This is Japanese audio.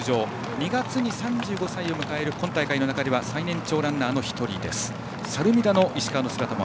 ２月に３５歳を迎える今大会の中では最年長ランナーの１人です。